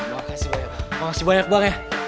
makasih banyak bang